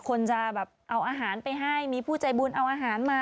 คนจะแบบเอาอาหารไปให้มีผู้ใจบุญเอาอาหารมา